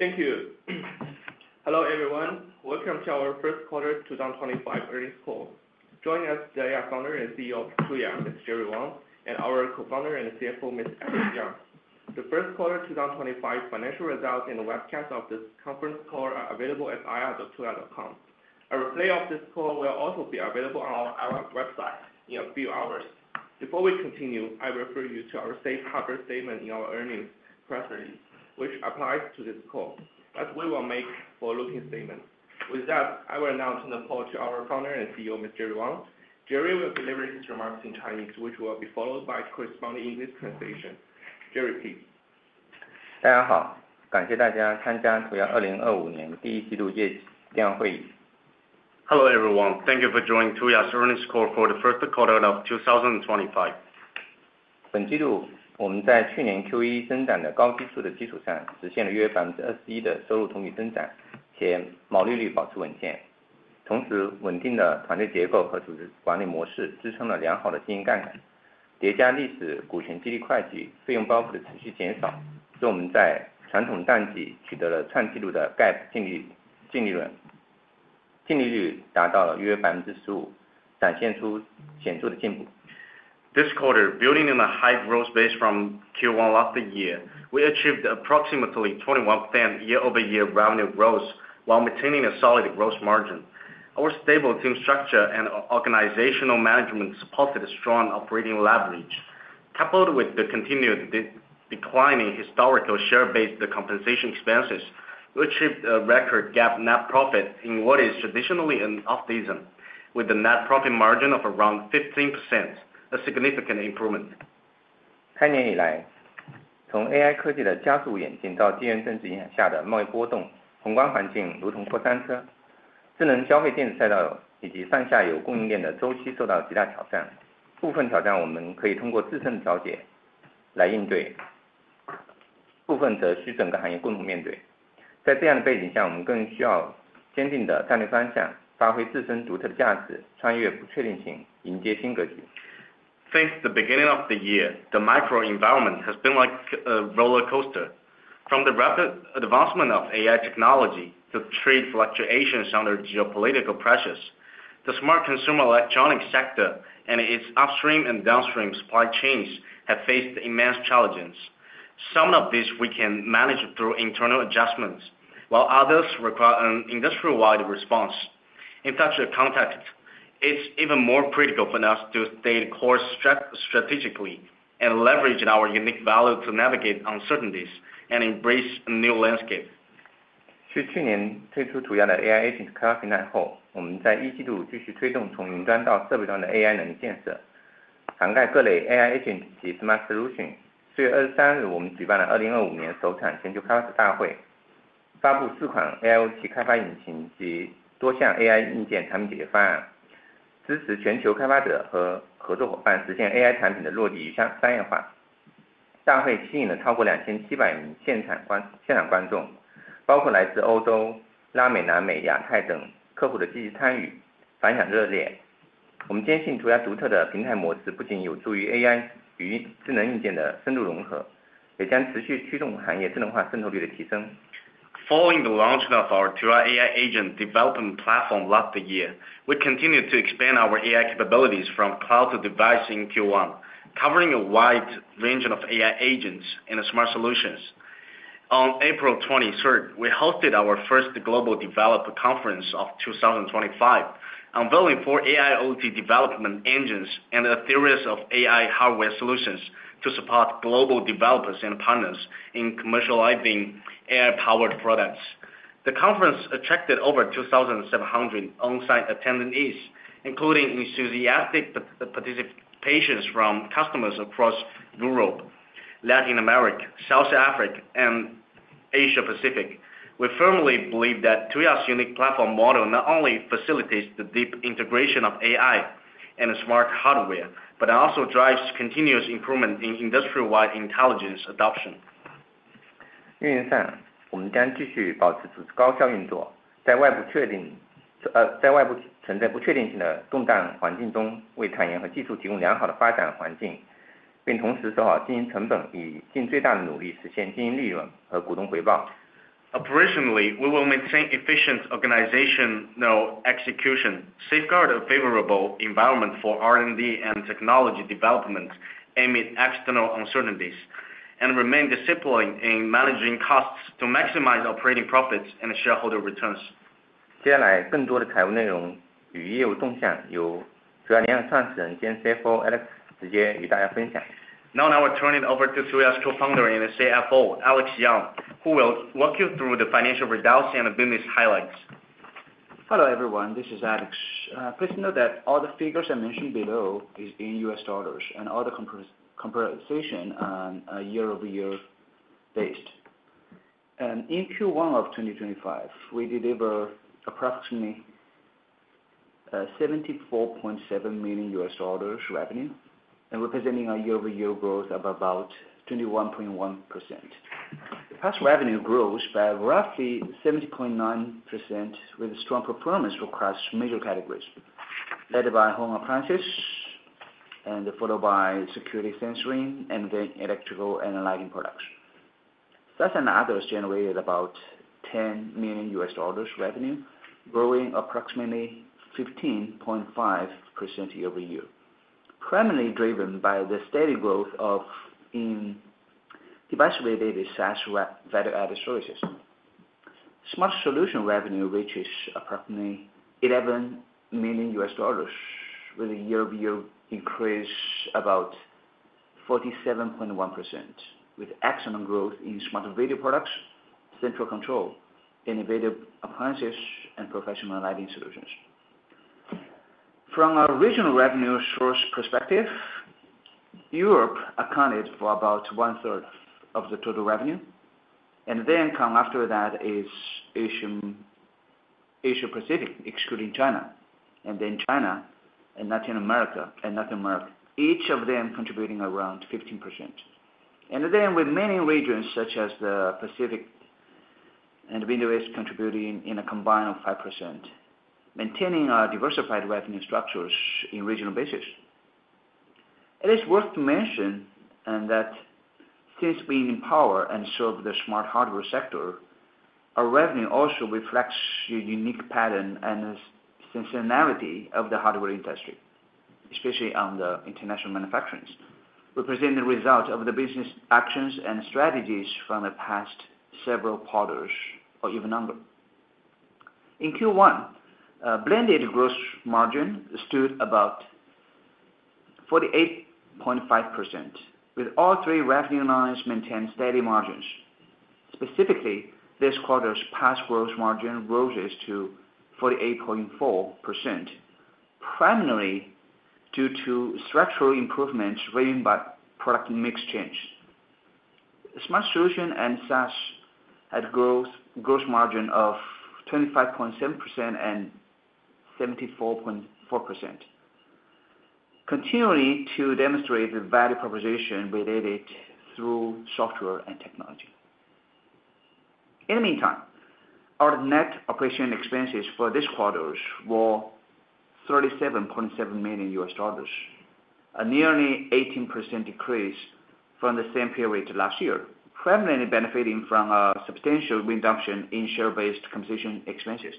Thank you. Hello everyone. Welcome to our first quarter 2025 earnings call. Joining us today are Founder and CEO of Tuya, Jerry Wang, and our Co-founder and CFO, Alex Yang. The first quarter 2025 financial results and the webcast of this conference call are available at ia.tuya.com. A replay of this call will also be available on our websites in a few hours. Before we continue, I refer you to our safe harbor statement in our earnings press release, which applies to this call, as we will make forward-looking statements. With that, I will now turn the call to our Founder and CEO, Jerry Wang. Jerry will deliver his remarks in Chinese, which will be followed by corresponding English translation. Jerry, please. 大家好，感谢大家参加图亚2025年第一季度业绩亮会议。Hello everyone. Thank you for joining Tuya's earnings call for the first quarter of 2025. This quarter, building on a high growth base from Q1 last year, we achieved approximately 21% year-over-year revenue growth while maintaining a solid gross margin. Our stable team structure and organizational management supported a strong operating leverage. Coupled with the continued declining historical share-based compensation expenses, we achieved a record GAAP net profit in what is traditionally an off season, with a net profit margin of around 15%, a significant improvement. 三年以来，从AI科技的加速演进到地缘政治影响下的贸易波动，宏观环境如同过山车。智能消费电子赛道以及上下游供应链的周期受到极大挑战。部分挑战我们可以通过自身的调节来应对，部分则需整个行业共同面对。在这样的背景下，我们更需要坚定的战略方向，发挥自身独特的价值，穿越不确定性，迎接新格局。Since the beginning of the year, the microenvironment has been like a roller coaster. From the rapid advancement of AI technology to trade fluctuations under geopolitical pressures, the smart consumer electronics sector and its upstream and downstream supply chains have faced immense challenges. Some of these we can manage through internal adjustments, while others require an industry-wide response. In such a context, it is even more critical for us to stay core strategically and leverage our unique value to navigate uncertainties and embrace a new landscape. 去去年推出图亚的AI agent开发平台后，我们在一季度继续推动从云端到设备端的AI能力建设，涵盖各类AI agent及smart solution。4月23日，我们举办了2025年首场全球开发者大会，发布四款AIO级开发引擎及多项AI硬件产品解决方案，支持全球开发者和合作伙伴实现AI产品的落地与商业化。大会吸引了超过2,700名现场观众，包括来自欧洲、拉美、南美、亚太等客户的积极参与，反响热烈。我们坚信图亚独特的平台模式不仅有助于AI与智能硬件的深度融合，也将持续驱动行业智能化渗透率的提升。Following the launch of our Tuya AI agent development platform last year, we continue to expand our AI capabilities from cloud to device in Q1, covering a wide range of AI agents and smart solutions. On April 23, we hosted our first global developer conference of 2025, unveiling four AIoT development engines and a series of AI hardware solutions to support global developers and partners in commercializing AI-powered products. The conference attracted over 2,700 onsite attendees, including enthusiastic participation from customers across Europe, Latin America, South Africa, and Asia Pacific. We firmly believe that Tuya's unique platform model not only facilitates the deep integration of AI and smart hardware, but also drives continuous improvement in industry-wide intelligence adoption. 运营上，我们将继续保持组织高效运作，在外部确定呃，在外部存在不确定性的动荡环境中，为产业和技术提供良好的发展环境，并同时做好经营成本，以尽最大的努力实现经营利润和股东回报。Operationally, we will maintain efficient organizational execution, safeguard a favorable environment for R&D and technology development amid external uncertainties, and remain disciplined in managing costs to maximize operating profits and shareholder returns. 接下来更多的财务内容与业务动向，由主要联合创始人兼CFO Alex直接与大家分享。Now I will turn it over to Tuya's Co-founder and CFO, Alex Yang, who will walk you through the financial reduction and the business highlights. Hello everyone, this is Alex. Please note that all the figures I mentioned below are in US dollars and all the comparisons are year-over-year based. In Q1 of 2025, we deliver approximately $74.7 revenue, representing a year-over-year growth of about 21.1%. The PaaS revenue grows by roughly 70.9%, with strong performance across major categories, led by home appliances and followed by security sensoring, and then electrical and lighting products. SaaS and others generated about $10 million revenue, growing approximately 15.5% year-over-year, primarily driven by the steady growth of device-related SaaS value-added services. Smart Solutions revenue reaches approximately $11 million, with a year-over-year increase of about 47.1%, with excellent growth in smart video products, central control, innovative appliances, and professional lighting solutions. From a regional revenue source perspective, Europe accounted for about one-third of the total revenue, then come after that is Asia Pacific, excluding China, and then China and Latin America, each of them contributing around 15%. With many regions such as the Pacific and the Middle East contributing in a combined 5%, maintaining our diversified revenue structures on a regional basis. It is worth to mention that since we empower and serve the smart hardware sector, our revenue also reflects a unique pattern and seasonality of the hardware industry, especially on the international manufacturings, representing the result of the business actions and strategies from the past several quarters or even longer. In Q1, blended gross margin stood about 48.5%, with all three revenue lines maintaining steady margins. Specifically, this quarter's PaaS gross margin rose to 48.4%, primarily due to structural improvements driven by product mix change. Smart Solutions and SaaS had gross margin of 25.7% and 74.4%, continuing to demonstrate the value proposition related through software and technology. In the meantime, our net operation expenses for this quarter were $37.7 million, a nearly 18% decrease from the same period last year, primarily benefiting from a substantial reduction in share-based compensation expenses,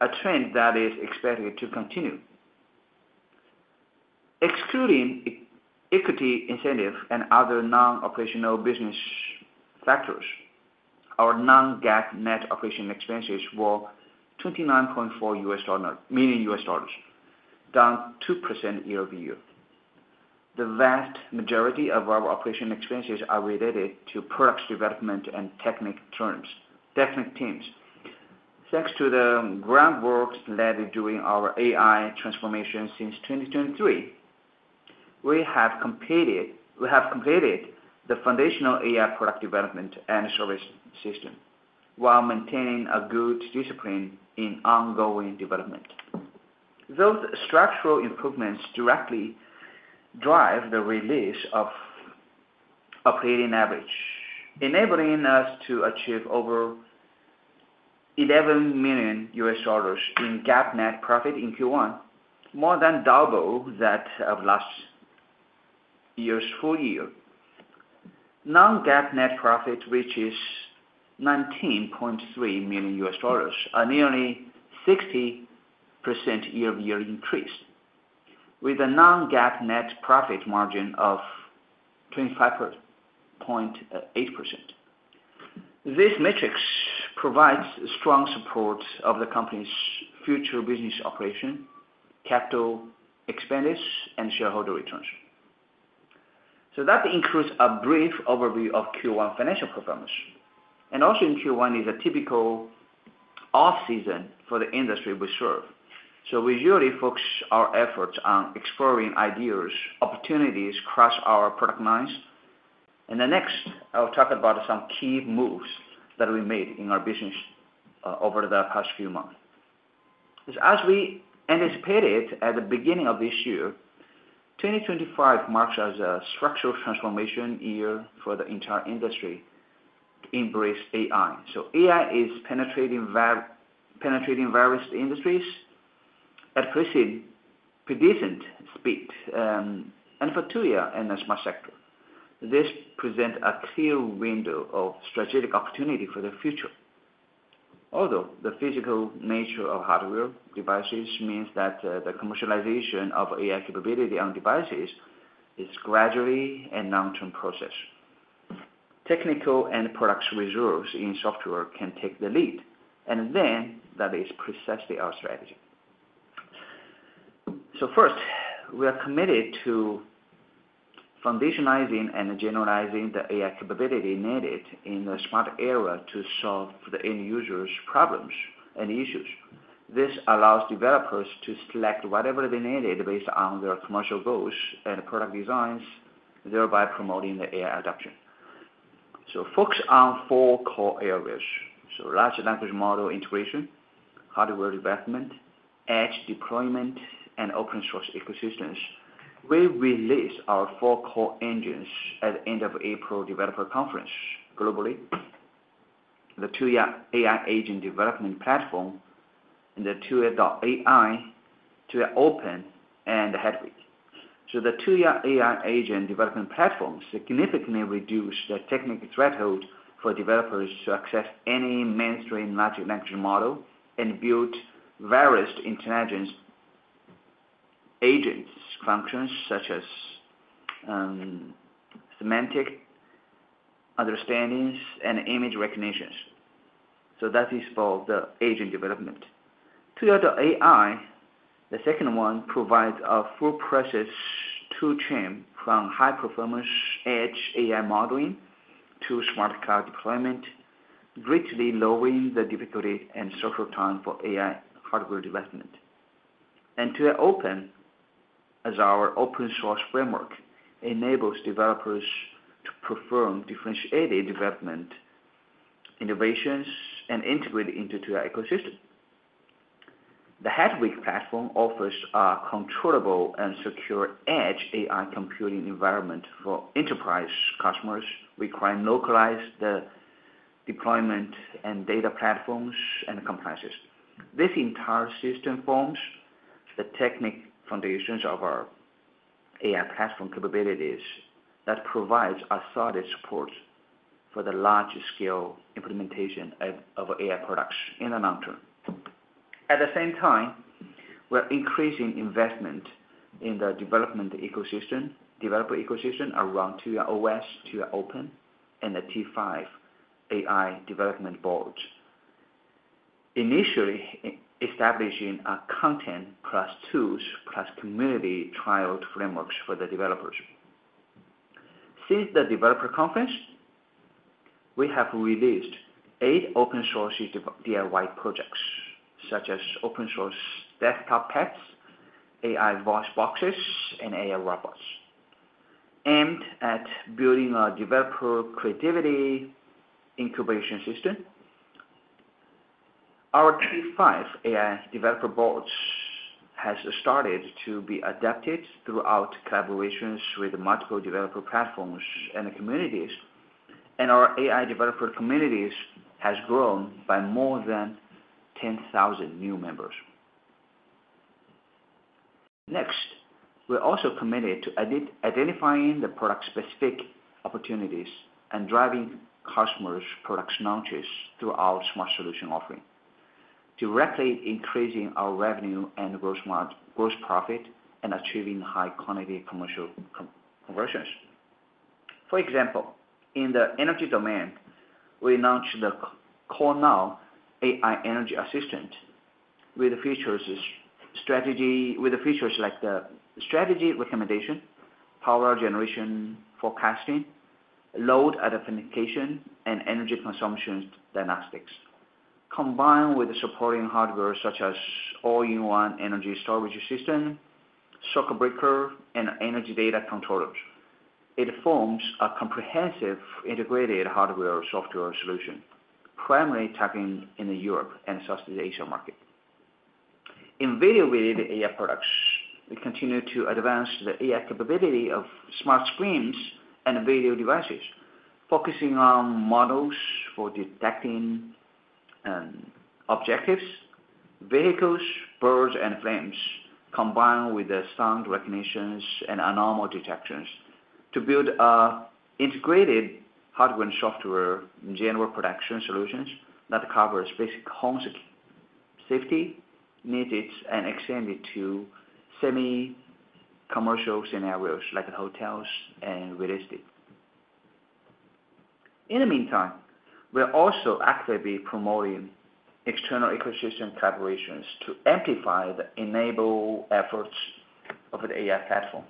a trend that is expected to continue. Excluding equity incentives and other non-operational business factors, our non-GAAP net operation expenses were $29.4 million, down 2% year-over-year. The vast majority of our operation expenses are related to product development and technical teams. Thanks to the groundwork led during our AI transformation since 2023, we have completed the foundational AI product development and service system while maintaining a good discipline in ongoing development. Those structural improvements directly drive the release of operating average, enabling us to achieve over $11 million in GAAP net profit in Q1, more than double that of last year's full year. Non-GAAP net profit reaches $19.3 million, a nearly 60% year-over-year increase, with a non-GAAP net profit margin of 25.8%. This matrix provides strong support of the company's future business operation, capital expenditure, and shareholder returns. That includes a brief overview of Q1 financial performance. Also, Q1 is a typical off-season for the industry we serve. We usually focus our efforts on exploring ideas, opportunities across our product lines. Next, I'll talk about some key moves that we made in our business over the past few months. As we anticipated at the beginning of this year, 2025 marks a structural transformation year for the entire industry to embrace AI. AI is penetrating various industries at a pretty decent speed, and for Tuya and the smart sector, this presents a clear window of strategic opportunity for the future. Although the physical nature of hardware devices means that the commercialization of AI capability on devices is a gradual and long-term process, technical and product resources in software can take the lead, and that is precisely our strategy. First, we are committed to foundationalizing and generalizing the AI capability needed in the smart era to solve the end users' problems and issues. This allows developers to select whatever they needed based on their commercial goals and product designs, thereby promoting the AI adoption. We focus on four core areas: large language model integration, hardware development, edge deployment, and open-source ecosystems. We released our four core engines at the end of the April developer conference globally: the Tuya AI agent development platform, and the Tuya AI, Tuya Open, and. The Tuya AI agent development platform significantly reduced the technical threshold for developers to access any mainstream large language model and build various intelligence agents functions such as semantic understandings and image recognitions. That is for the agent development. Tuya AI, the second one, provides a full-process toolchain from high-performance edge AI modeling to smart cloud deployment, greatly lowering the difficulty and social time for AI hardware development. Tuya Open, as our open-source framework, enables developers to perform differentiated development innovations and integrate into the Tuya ecosystem. The Headweek platform offers a controllable and secure edge AI computing environment for enterprise customers requiring localized deployment and data platforms and compliances. This entire system forms the technic foundations of our AI platform capabilities that provides a solid support for the large-scale implementation of AI products in the long term. At the same time, we're increasing investment in the development ecosystem, developer ecosystem around Tuya OS, Tuya Open, and the T5 AI development boards, initially establishing a content plus tools plus community trialed frameworks for the developers. Since the developer conference, we have released eight open-source DIY projects, such as open-source desktop pets, AI voice boxes, and AI robots, aimed at building a developer creativity incubation system. Our T5 AI developer boards have started to be adapted throughout collaborations with multiple developer platforms and communities, and our AI developer communities have grown by more than 10,000 new members. Next, we're also committed to identifying the product-specific opportunities and driving customers' product launches through our smart solution offering, directly increasing our revenue and gross profit and achieving high-quality commercial conversions. For example, in the energy domain, we launched the Cornau AI Energy Assistant with features like the strategy recommendation, power generation forecasting, load identification, and energy consumption diagnostics, combined with supporting hardware such as all-in-one energy storage system, circuit breaker, and energy data controllers. It forms a comprehensive integrated hardware-software solution, primarily targeting in the Europe and Southeast Asia market. In video-related AI products, we continue to advance the AI capability of smart screens and video devices, focusing on models for detecting objectives, vehicles, birds, and flames, combined with sound recognition and anomaly detection to build an integrated hardware and software general production solution that covers basic home safety needs and extends to semi-commercial scenarios like hotels and real estate. In the meantime, we're also actively promoting external ecosystem collaborations to amplify the enabling efforts of the AI platform.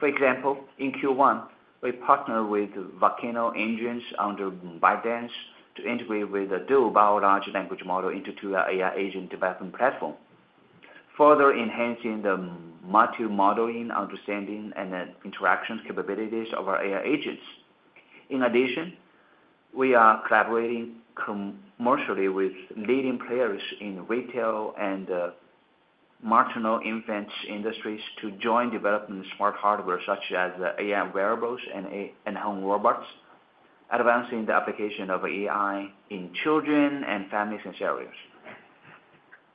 For example, in Q1, we partnered with Volcano Engines under ByteDance to integrate with the dual-biological language model into Tuya AI agent development platform, further enhancing the multi-modeling understanding and interaction capabilities of our AI agents. In addition, we are collaborating commercially with leading players in retail and the marginal invent industry to jointly develop smart hardware such as AI wearables and home robots, advancing the application of AI in children and family scenarios.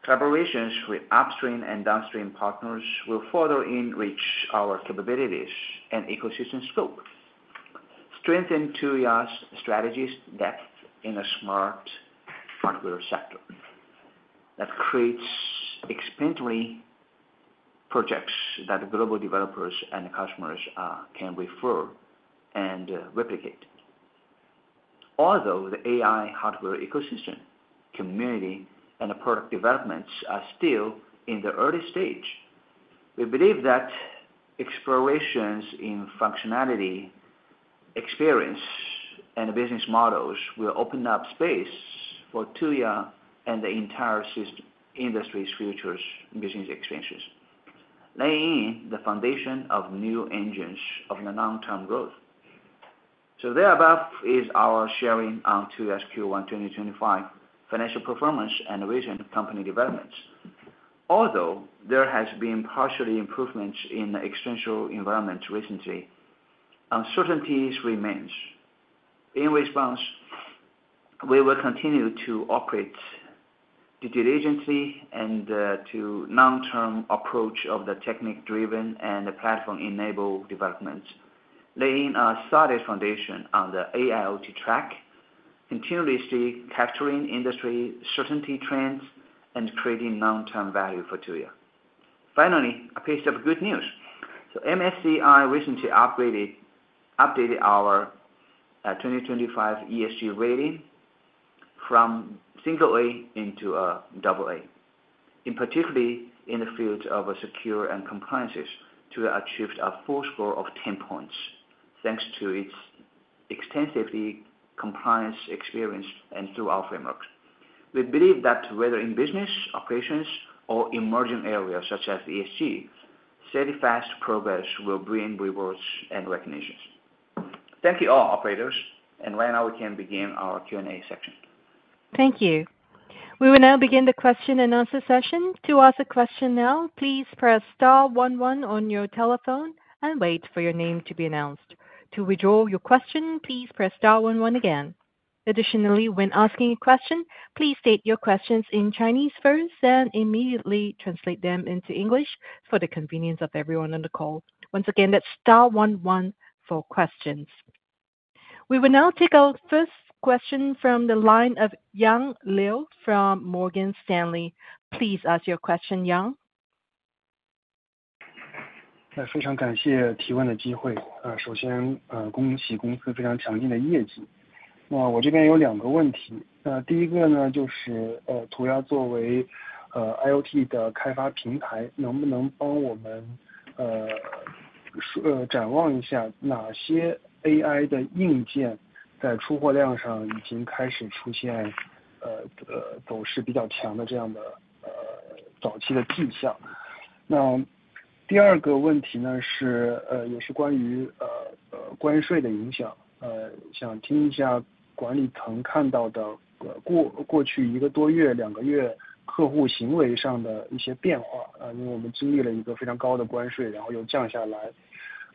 Collaborations with upstream and downstream partners will further enrich our capabilities and ecosystem scope, strengthening Tuya's strategy depth in the smart hardware sector that creates expansion projects that global developers and customers can refer and replicate. Although the AI hardware ecosystem, community, and product developments are still in the early stage, we believe that explorations in functionality experience and business models will open up space for Tuya and the entire industry's future business expansions, laying the foundation of new engines of long-term growth. Thereabout is our sharing on Tuya SQ1 2025 financial performance and recent company developments. Although there have been partial improvements in the extrinsic environment recently, uncertainty remains. In response, we will continue to operate due diligently and to a long-term approach of the technic-driven and platform-enabled developments, laying a solid foundation on the AIoT track, continuously capturing industry certainty trends and creating long-term value for Tuya. Finally, a piece of good news. MSCI recently updated our 2025 ESG rating from single A into a double A. In particular, in the field of secure and compliances, Tuya achieved a full score of 10 points thanks to its extensive compliance experience and through our framework. We believe that whether in business operations or emerging areas such as ESG, steady, fast progress will bring rewards and recognitions. Thank you all, operators. Right now, we can begin our Q&A section. Thank you. We will now begin the question and answer session. To ask a question now, please press star 11 on your telephone and wait for your name to be announced. To withdraw your question, please press star 11 again. Additionally, when asking a question, please state your questions in Chinese first and immediately translate them into English for the convenience of everyone on the call. Once again, that's star 11 for questions. We will now take our first question from the line of Yang Liu from Morgan Stanley. Please ask your question, Yang.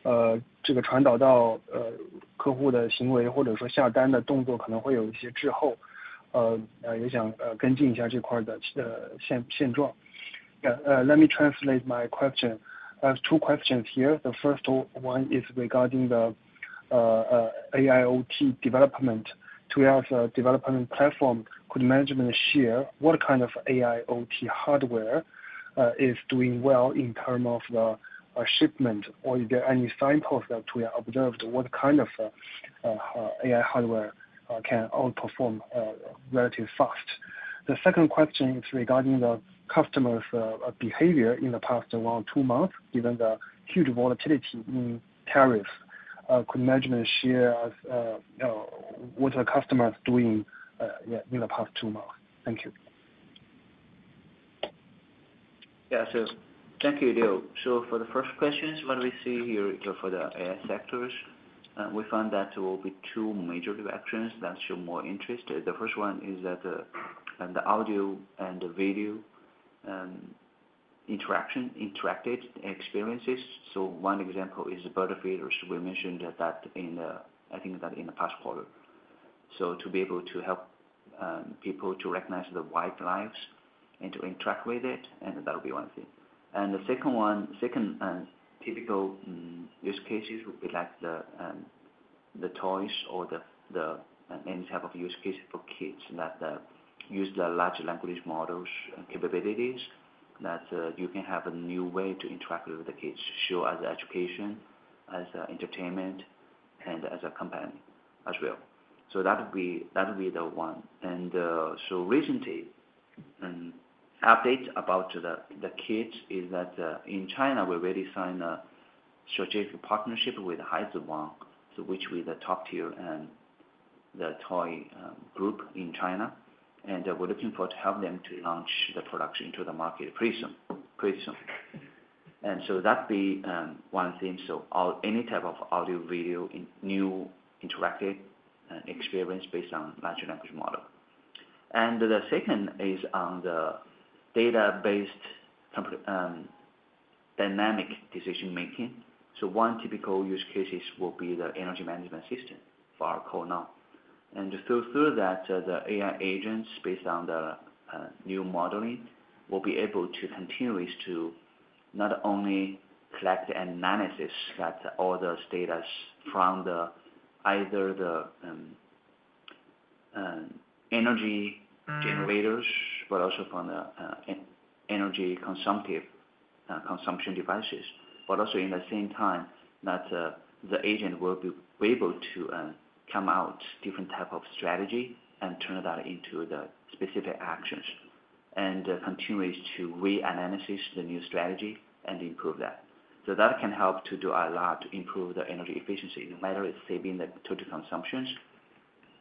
Let me translate my question. Two questions here. The first one is regarding the AIoT development. Tuya's development platform could manage and share what kind of AIoT hardware is doing well in terms of shipment, or is there any signpost that Tuya observed what kind of AI hardware can outperform relatively fast? The second question is regarding the customer's behavior in the past one or two months, given the huge volatility in tariffs. Could management share what the customer is doing in the past two months? Thank you. Yeah, so thank you, Liu. For the first questions, what do we see here for the AI sectors? We found that there will be two major directions that show more interest. The first one is the audio and video interaction experiences. One example is the bird feeders. We mentioned that in the, I think that in the past quarter. To be able to help people to recognize the wild lives and to interact with it, and that will be one thing. The second one, second typical use cases would be like the toys or any type of use case for kids that use the large language models capabilities that you can have a new way to interact with the kids, show as education, as entertainment, and as a company as well. That would be the one. Recently, an update about the kids is that in China, we already signed a strategic partnership with Heizhi Wang, which we talked to the toy group in China, and we're looking forward to help them to launch the production into the market pretty soon. That would be one thing. Any type of audio, video, new interactive experience based on large language model. The second is on the data-based dynamic decision-making. One typical use case will be the energy management system for our core now. Through that, the AI agents based on the new modeling will be able to continuously not only collect and analyze all those data from either the energy generators, but also from the energy consumption devices, but also at the same time the agent will be able to come out different types of strategy and turn that into the specific actions and continuously reanalyze the new strategy and improve that. That can help to do a lot to improve the energy efficiency, no matter if saving the total consumptions,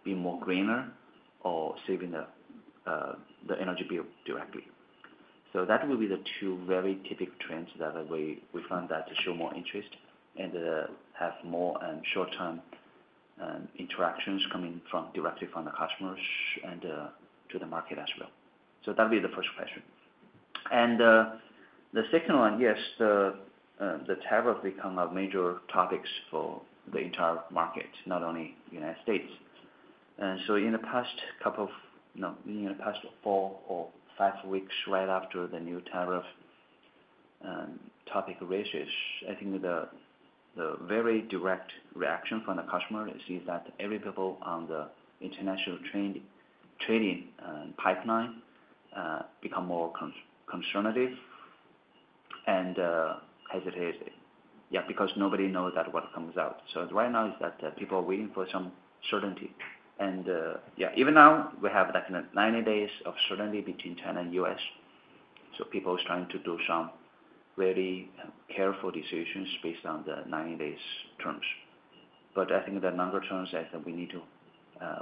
being more green, or saving the energy bill directly. That will be the two very typical trends that we found that show more interest and have more short-term interactions coming directly from the customers and to the market as well. That will be the first question. The second one, yes, the tariffs become major topics for the entire market, not only the United States. In the past four or five weeks right after the new tariff topic raises, I think the very direct reaction from the customers is that every people on the international trading pipeline become more concerned and hesitant, yeah, because nobody knows what comes out. Right now is that people are waiting for some certainty. Even now we have 90 days of certainty between China and the US. People are trying to do some really careful decisions based on the 90 days terms. I think the longer terms as we need to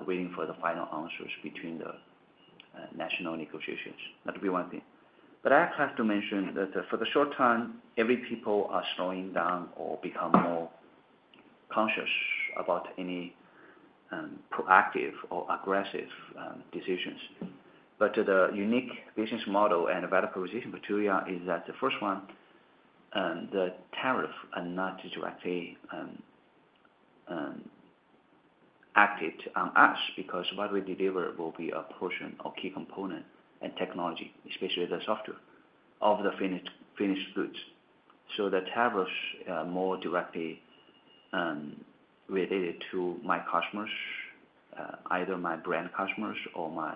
wait for the final answers between the national negotiations. That would be one thing. I have to mention that for the short term, every people are slowing down or becoming more conscious about any proactive or aggressive decisions. The unique business model and value proposition for Tuya is that the first one, the tariffs are not directly acted on us because what we deliver will be a portion or key component and technology, especially the software of the finished goods. The tariffs are more directly related to my customers, either my brand customers or my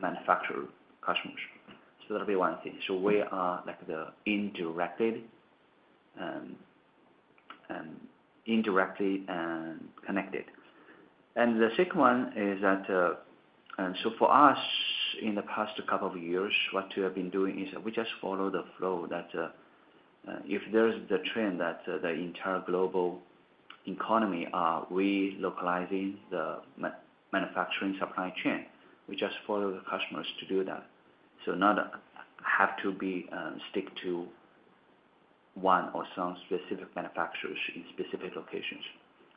manufacturer customers. That will be one thing. We are indirectly connected. The second one is that for us, in the past couple of years, what we have been doing is we just follow the flow that if there is the trend that the entire global economy are relocalizing the manufacturing supply chain, we just follow the customers to do that. Not have to stick to one or some specific manufacturers in specific locations.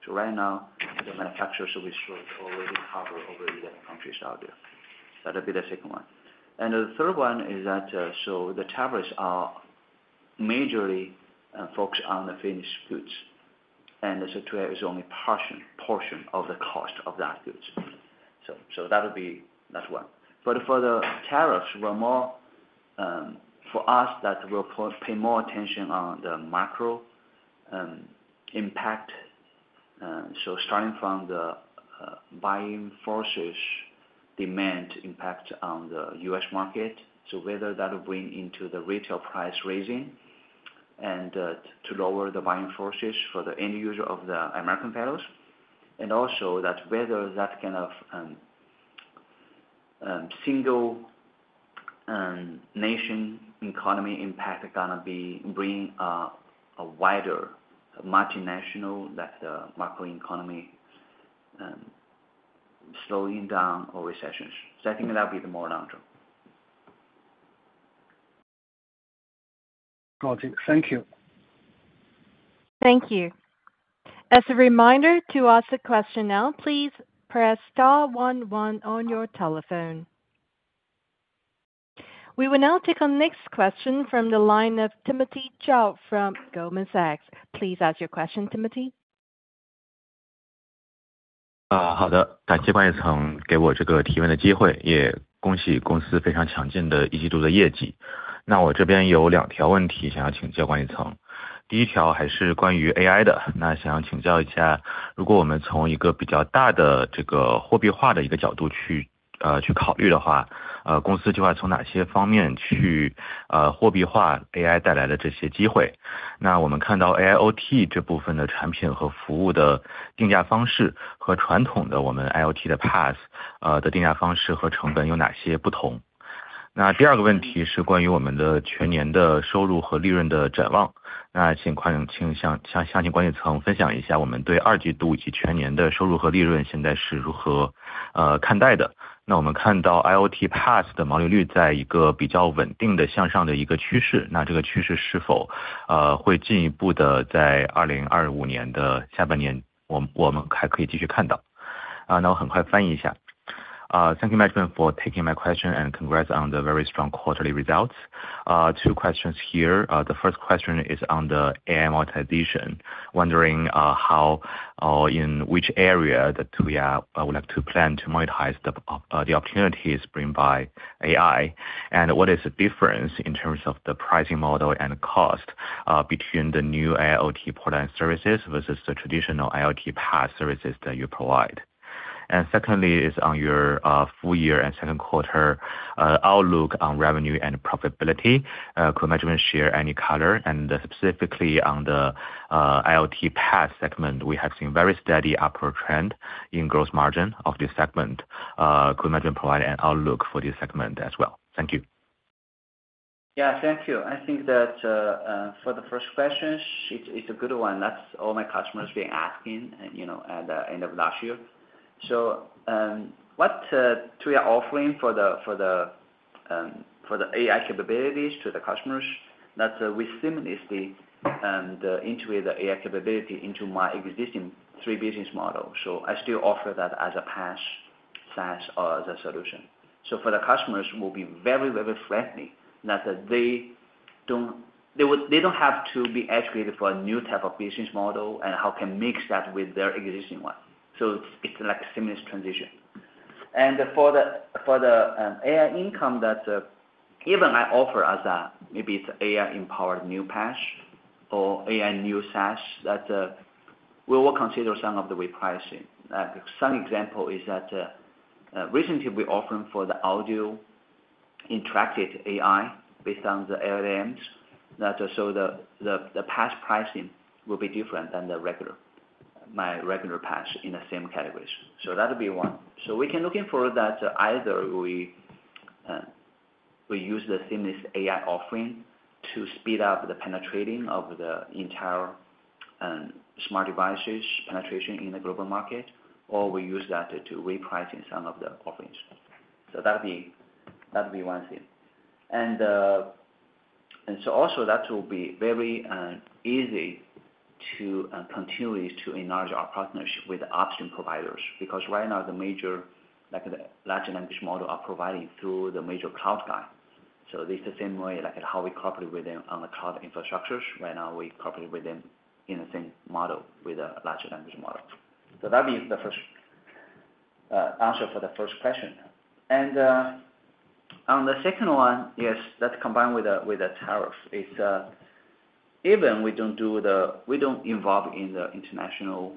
Right now, the manufacturers we sold already cover over 11 countries out there. That will be the second one. The third one is that the tariffs are majorly focused on the finished goods. Tuya is only a portion of the cost of that goods. That will be that one. For the tariffs, for us, we will pay more attention on the macro impact. Starting from the buying forces demand impact on the US market, whether that will bring into the retail price raising and lower the buying forces for the end user of the American fellows. Also, whether that kind of single nation economy impact is going to bring a wider multinational macroeconomy slowing down or recessions. I think that will be the more long term. Got it. Thank you. Thank you. As a reminder, to ask a question now, please press star 11 on your telephone. We will now take our next question from the line of Timothy Chow from Goldman Sachs. Please ask your question, Timothy. 好的，感谢关宇成给我这个提问的机会，也恭喜公司非常强劲的一季度的业绩。那我这边有两条问题想要请教关宇成。第一条还是关于AI的，那想要请教一下，如果我们从一个比较大的货币化的一个角度去考虑的话，公司计划从哪些方面去货币化AI带来的这些机会？那我们看到AIoT这部分的产品和服务的定价方式和传统的我们IoT的PaaS的定价方式和成本有哪些不同？那第二个问题是关于我们的全年的收入和利润的展望。那请关宇成向关宇成分享一下我们对二季度以及全年的收入和利润现在是如何看待的。那我们看到IoT PaaS的毛利率在一个比较稳定的向上的一个趋势，那这个趋势是否会进一步的在2025年的下半年我们还可以继续看到？那我很快翻译一下。Thank you, Management, for taking my question and congrats on the very strong quarterly results. Two questions here. The first question is on the AI monetization, wondering how or in which area that Tuya would like to plan to monetize the opportunities bring by AI, and what is the difference in terms of the pricing model and cost between the new AIoT product and services versus the traditional IoT PaaS services that you provide? And secondly is on your full year and second quarter outlook on revenue and profitability. Could Management share any color? Specifically on the IoT PaaS segment, we have seen very steady upward trend in gross margin of this segment. Could Management provide an outlook for this segment as well? Thank you. Yeah, thank you. I think that for the first question, it's a good one. That's all my customers have been asking at the end of last year. What Tuya is offering for the AI capabilities to the customers is that we seamlessly integrate the AI capability into my existing three business models. I still offer that as a PaaS/PaaS solution. For the customers, it will be very, very friendly that they don't have to be educated for a new type of business model and how can mix that with their existing one. It's like a seamless transition. For the AI income, that even I offer as a maybe it's AI-empowered new PaaS or AI new SaaS that we will consider some of the repricing. Some example is that recently we offered for the audio interactive AI based on the LLMs that show the PaaS pricing will be different than my regular PaaS in the same categories. That'll be one. We can look for that, either we use the seamless AI offering to speed up the penetration of the entire smart devices penetration in the global market, or we use that to reprice in some of the offerings. That'll be one thing. Also, that will be very easy to continue to enlarge our partnership with the upstream providers because right now the major large language models are provided through the major cloud guys. It's the same way like how we cooperate with them on the cloud infrastructures. Right now we cooperate with them in the same model with the large language model. That'd be the answer for the first question. On the second one, yes, that's combined with the tariffs. Even though we don't involve in the international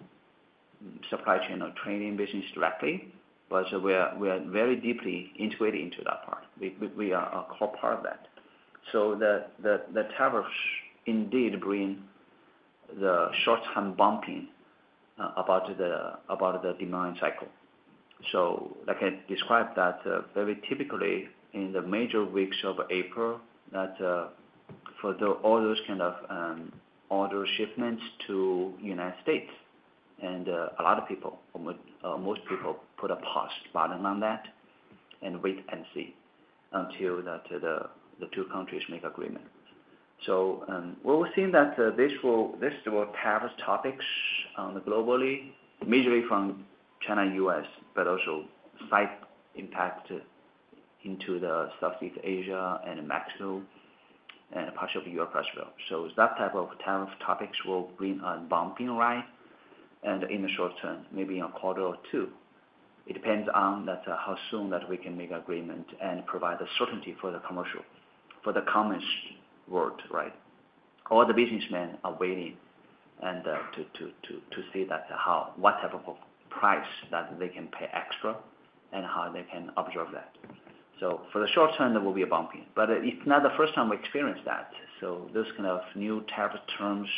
supply chain or trading business directly, we are very deeply integrated into that part. We are a core part of that. The tariffs indeed bring the short-term bumping about the demand cycle. I can describe that very typically in the major weeks of April that for all those kind of order shipments to the United States, a lot of people, most people, put a pause button on that and wait and see until the two countries make agreement. We'll see that this will have its topics globally, majorly from China and the U.S., but also side impact into Southeast Asia and Mexico and parts of Europe as well. That type of tariff topics will bring a bumping right in the short term, maybe in a quarter or two. It depends on how soon we can make agreement and provide the certainty for the commercial, for the commerce world, right? All the businessmen are waiting to see what type of price they can pay extra and how they can observe that. For the short term, there will be a bumping. It's not the first time we experience that. Those kind of new tariff terms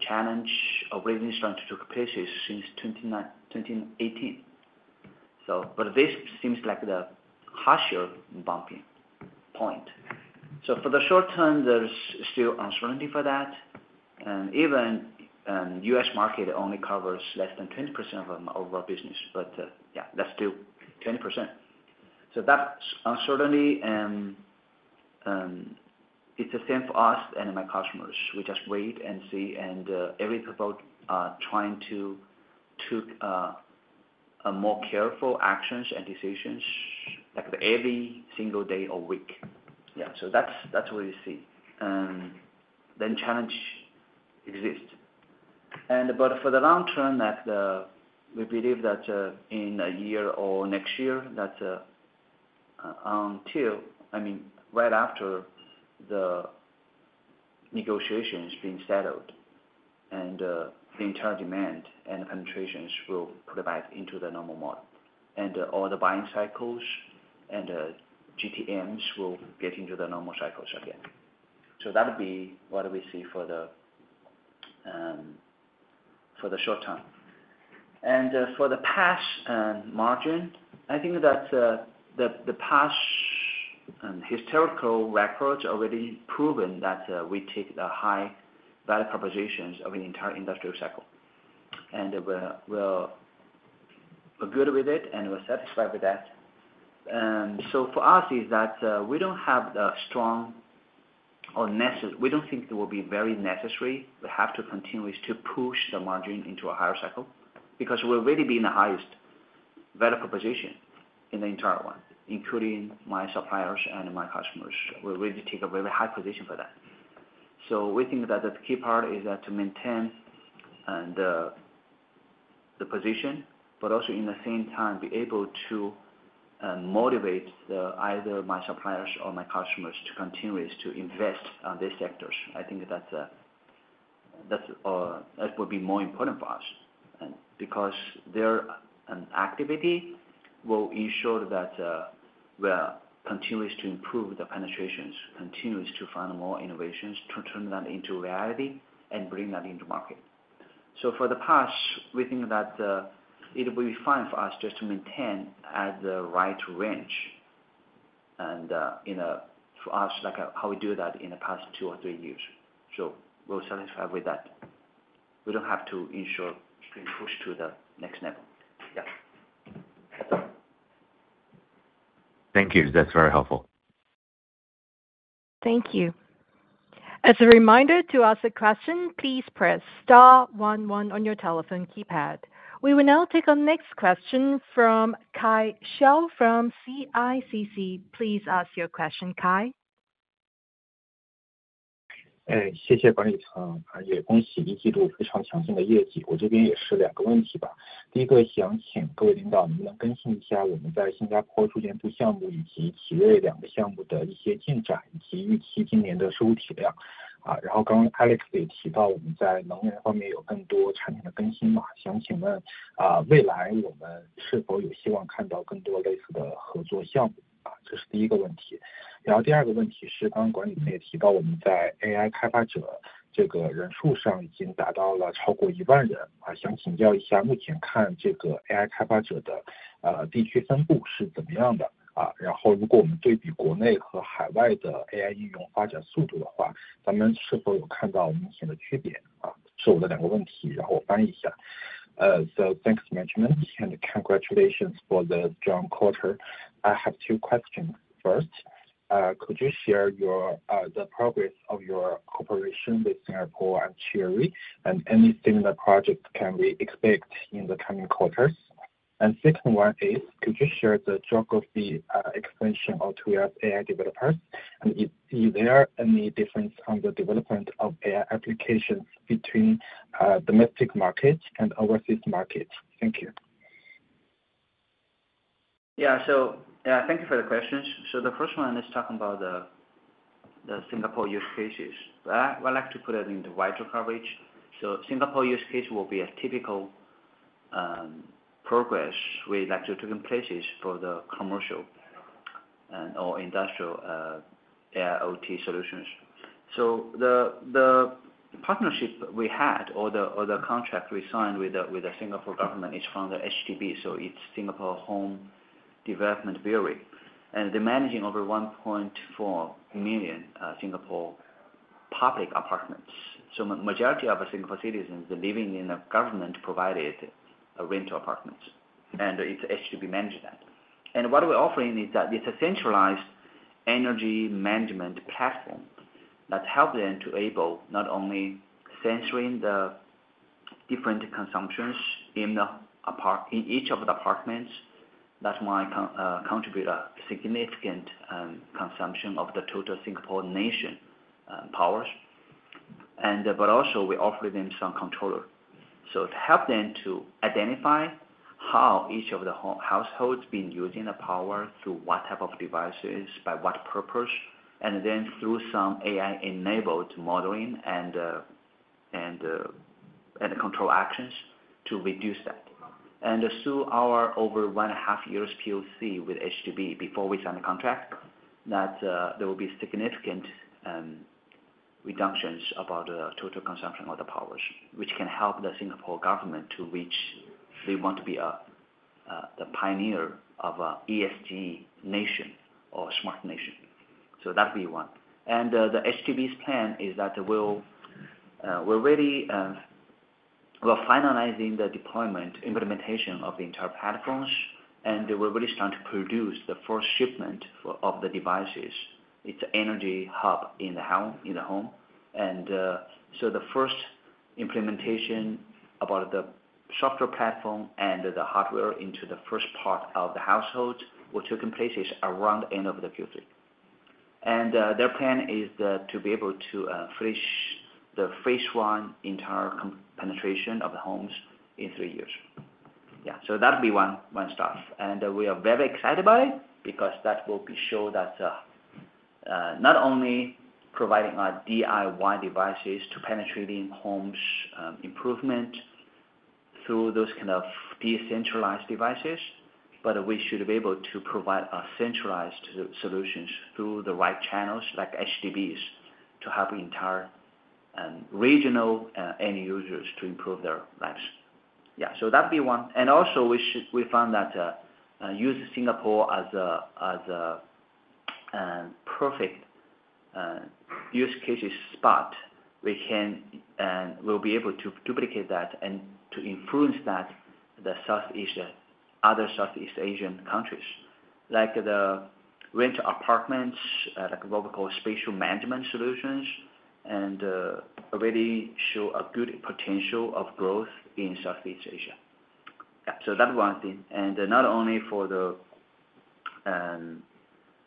challenge already started to create since 2018. This seems like the harsher bumping point. For the short term, there's still uncertainty for that. Even the U.S. market only covers less than 20% of our business, but yeah, that's still 20%. That uncertainty, it's the same for us and my customers. We just wait and see, and every people are trying to take more careful actions and decisions every single day or week. Yeah, that's what you see. Challenge exists. For the long term, we believe that in a year or next year, that's until, I mean, right after the negotiations being settled and the internal demand and penetrations will put it back into the normal model. All the buying cycles and GTMs will get into the normal cycles again. That'll be what we see for the short term. For the PaaS margin, I think that the PaaS historical records already proven that we take the high value propositions of the entire industrial cycle. We're good with it, and we're satisfied with that. For us, we don't have the strong or we don't think it will be very necessary. We have to continue to push the margin into a higher cycle because we're already being the highest value proposition in the entire one, including my suppliers and my customers. We already take a very high position for that. We think that the key part is to maintain the position, but also at the same time, be able to motivate either my suppliers or my customers to continue to invest on these sectors. I think that will be more important for us because their activity will ensure that we'll continue to improve the penetrations, continue to find more innovations, turn that into reality, and bring that into market. For the PaaS, we think that it will be fine for us just to maintain at the right range for us, like how we do that in the past two or three years. We are satisfied with that. We do not have to ensure to push to the next level. Yeah. That is all. Thank you. That is very helpful. Thank you. As a reminder to ask a question, please press star 11 on your telephone keypad. We will now take our next question from Kai Xiao from CICC. Please ask your question, Kai. 谢谢关宇成。也恭喜一季度非常强劲的业绩。我这边也是两个问题吧。第一个想请各位领导能不能更新一下我们在新加坡住建部项目以及企业两个项目的一些进展，以及预期今年的收入体量。然后刚刚Alex也提到我们在能源方面有更多产品的更新嘛。想请问未来我们是否有希望看到更多类似的合作项目？这是第一个问题。然后第二个问题是刚刚管理层也提到我们在AI开发者这个人数上已经达到了超过1万人。想请教一下目前看这个AI开发者的地区分布是怎么样的？然后如果我们对比国内和海外的AI应用发展速度的话，咱们是否有看到明显的区别？是我的两个问题，然后我翻译一下。Thanks, Management, and congratulations for the strong quarter. I have two questions. First, could you share the progress of your cooperation with Singapore and Cherry, and any similar projects can we expect in the coming quarters? Second one is, could you share the geography extension of Tuya's AI developers, and is there any difference on the development of AI applications between domestic market and overseas market? Thank you. Yeah, thank you for the questions. The first one is talking about the Singapore use cases. I like to put it into wider coverage. Singapore use case will be a typical progress we like to take in places for the commercial and/or industrial AIoT solutions. The partnership we had or the contract we signed with the Singapore government is from the HDB, so it's Singapore Housing Development Board. They are managing over 1.4 million Singapore public apartments. The majority of Singapore citizens are living in the government-provided rental apartments, and it's HDB that manages that. What we're offering is that it's a centralized energy management platform that helps them to enable not only sensing the different consumptions in each of the apartments that might contribute a significant consumption of the total Singapore nation's powers. We also offer them some controllers to help them to identify how each of the households have been using the power, through what type of devices, by what purpose, and then through some AI-enabled modeling and control actions to reduce that. Through our over one and a half years POC with HDB before we sign the contract, there will be significant reductions in the total consumption of the powers, which can help the Singapore government to reach their goal to be the pioneer of an ESG nation or smart nation. That would be one. The HDB's plan is that we're finalizing the deployment, implementation of the entire platforms, and we're really starting to produce the first shipment of the devices. It's an energy hub in the home. The first implementation about the software platform and the hardware into the first part of the households will take place around the end of Q3. Their plan is to be able to finish the phase one entire penetration of the homes in three years. That would be one thing. We are very excited about it because that will show that not only providing DIY devices to penetrating homes improvement through those kind of decentralized devices, but we should be able to provide centralized solutions through the right channels like HDBs to help entire regional end users to improve their lives. That would be one. Also, we found that using Singapore as a perfect use case spot, we will be able to duplicate that and to influence that in other Southeast Asian countries, like the rental apartments, like what we call spatial management solutions, and already show a good potential of growth in Southeast Asia. Yeah, so that's one thing. Not only for the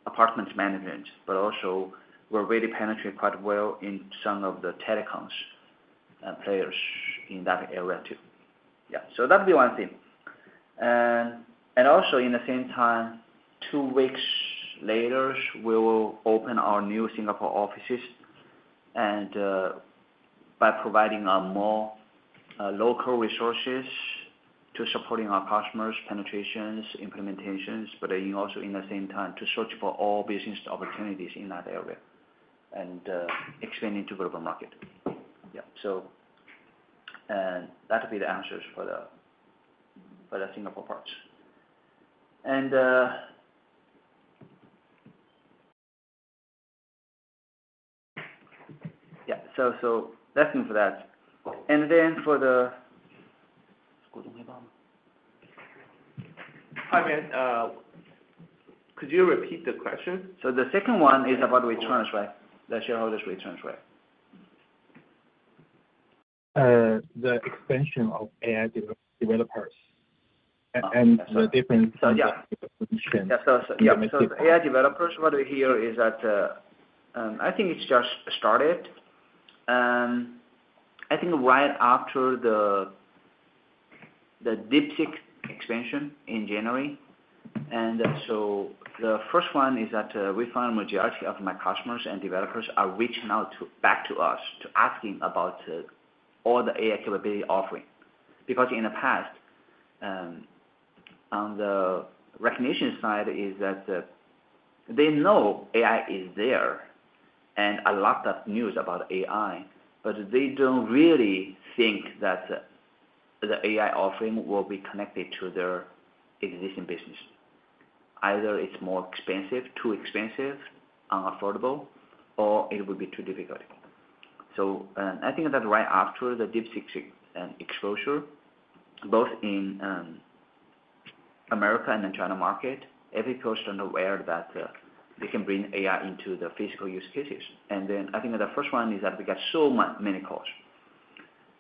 apartment management, but also we're already penetrating quite well in some of the telecoms players in that area too. Yeah, that'd be one thing. At the same time, two weeks later, we will open our new Singapore offices by providing more local resources to support our customers' penetrations, implementations, but also at the same time to search for all business opportunities in that area and expand into global market. Yeah, that'd be the answers for the Singapore parts. Yeah, that's it for that. For the. 好， could you repeat the question? The second one is about returns, right? The shareholders' returns, right? The extension of AI developers and the different. Yeah, AI developers, what we hear is that I think it's just started. I think right after the DeepSeek expansion in January. The first one is that we found the majority of my customers and developers are reaching out back to us to ask about all the AI capability offering. Because in the past, on the recognition side, is that they know AI is there and a lot of news about AI, but they do not really think that the AI offering will be connected to their existing business. Either it is more expensive, too expensive, unaffordable, or it will be too difficult. I think that right after the DeepSeek exposure, both in America and in China market, every person aware that they can bring AI into the physical use cases. I think the first one is that we got so many calls.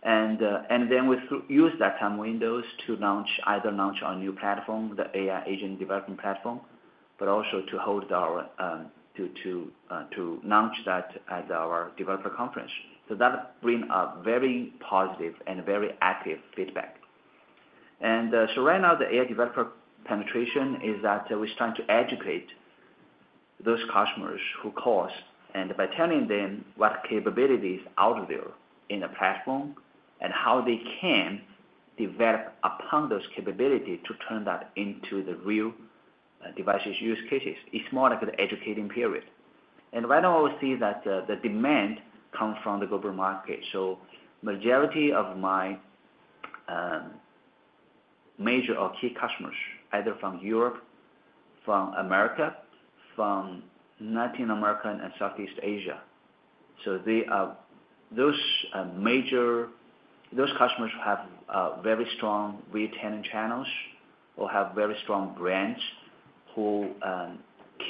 We used that time window to either launch our new platform, the AI agent development platform, but also to hold our, to launch that at our developer conference. That brings a very positive and very active feedback. Right now, the AI developer penetration is that we're trying to educate those customers who call us by telling them what capabilities are out there in the platform and how they can develop upon those capabilities to turn that into the real devices use cases. It's more like an educating period. Right now, we'll see that the demand comes from the global market. The majority of my major or key customers, either from Europe, from America, from Latin America, and Southeast Asia, those customers have very strong retaining channels or have very strong brands who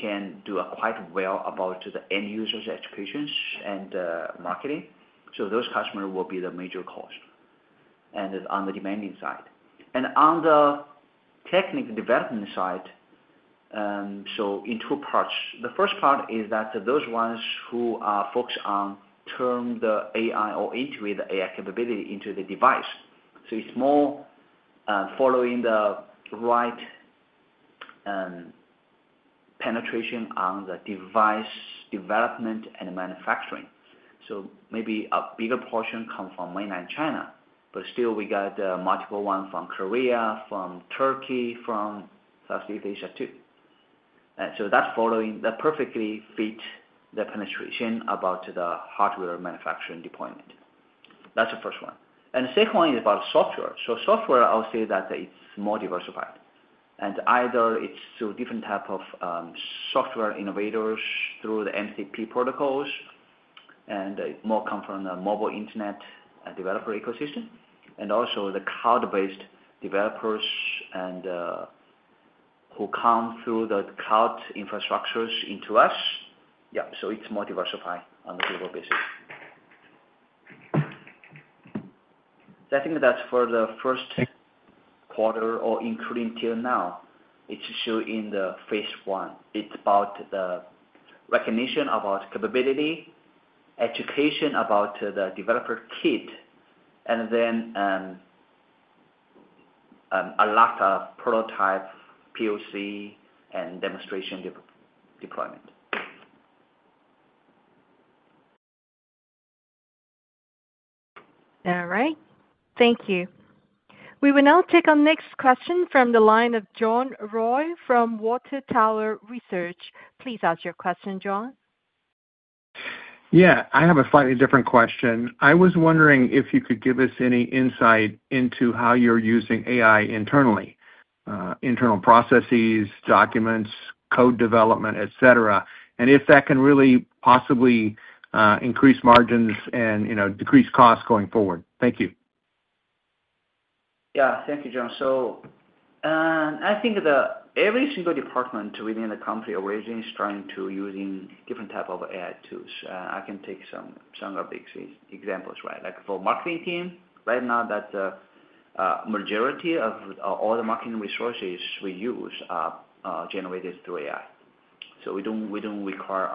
can do quite well about the end users' educations and marketing. Those customers will be the major cost on the demanding side. On the technical development side, in two parts. The first part is that those ones who are focused on turning the AI or integrating the AI capability into the device. It is more following the right penetration on the device development and manufacturing. Maybe a bigger portion comes from mainland China, but still we got multiple ones from Korea, from Turkey, from Southeast Asia too. That perfectly fits the penetration about the hardware manufacturing deployment. That is the first one. The second one is about software. Software, I'll say that it's more diversified. Either it's through different types of software innovators through the MCP protocols and more common from the mobile internet developer ecosystem, and also the cloud-based developers who come through the cloud infrastructures into us. Yeah, it's more diversified on the global basis. I think that's for the first quarter or including till now, it's still in the phase one. It's about the recognition of our capability, education about the developer kit, and then a lot of prototype, POC, and demonstration deployment. All right. Thank you. We will now take our next question from the line of John Roy from Water Tower Research. Please ask your question, John. Yeah, I have a slightly different question. I was wondering if you could give us any insight into how you're using AI internally, internal processes, documents, code development, etc., and if that can really possibly increase margins and decrease costs going forward. Thank you. Yeah, thank you, John. I think that every single department within the company already is trying to use different types of AI tools. I can take some of the examples, right? Like for the marketing team, right now, a majority of all the marketing resources we use are generated through AI. We do not require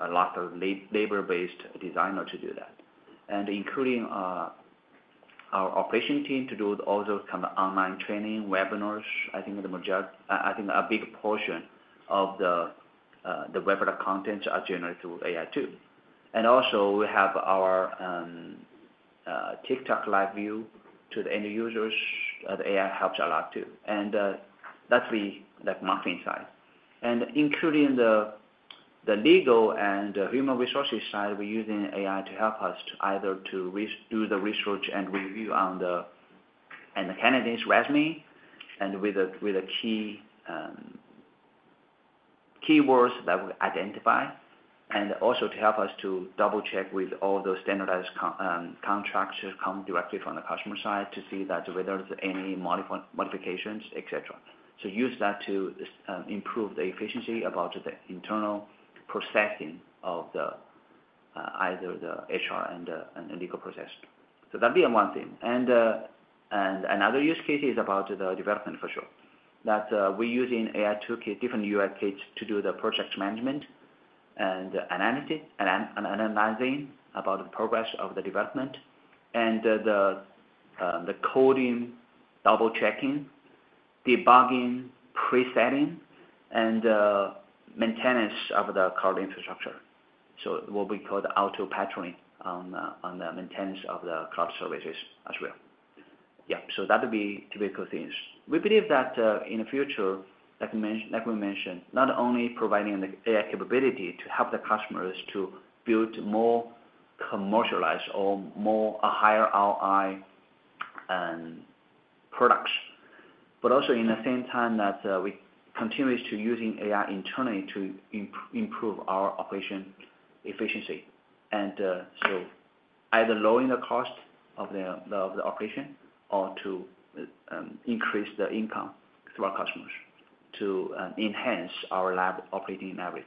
a lot of labor-based designers to do that. Including our operation team to do all those kinds of online training webinars, I think a big portion of the webinar contents are generated through AI too. Also, we have our TikTok live view to the end users. The AI helps a lot too. That's the marketing side. Including the legal and human resources side, we're using AI to help us to either do the research and review on the candidate's resume and with the keywords that we identify, and also to help us to double-check with all those standardized contracts that come directly from the customer side to see whether there's any modifications, etc. We use that to improve the efficiency about the internal processing of either the HR and the legal process. That'd be one thing. Another use case is about the development, for sure, that we're using AI toolkit, different UI kits to do the project management and analyzing about the progress of the development and the coding, double-checking, debugging, presetting, and maintenance of the cloud infrastructure. What we call the auto-patching on the maintenance of the cloud services as well. Yeah, so that'd be typical things. We believe that in the future, like we mentioned, not only providing the AI capability to help the customers to build more commercialized or more higher ROI products, but also at the same time that we continue to use AI internally to improve our operation efficiency. Either lowering the cost of the operation or to increase the income to our customers to enhance our lab operating average.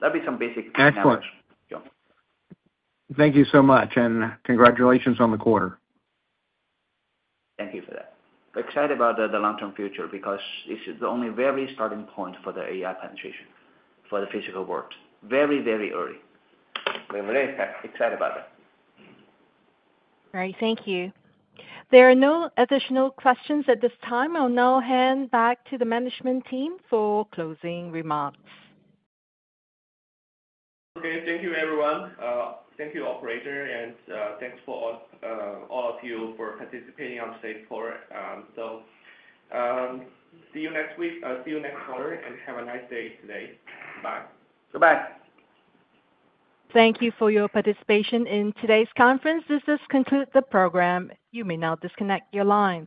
That'd be some basic questions. Thank you so much. And congratulations on the quarter. Thank you for that. We're excited about the long-term future because this is the only very starting point for the AI penetration for the physical world. Very, very early. We're really excited about that. All right. Thank you. There are no additional questions at this time. I'll now hand back to the management team for closing remarks. Okay. Thank you, everyone. Thank you, Operator. Thank you for all of you for participating on today's forum. See you next week. See you next quarter. Have a nice day today. Bye. Goodbye. Thank you for your participation in today's conference. This does conclude the program. You may now disconnect your lines.